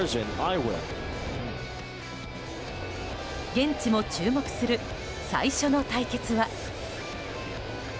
現地も注目する最初の対決は。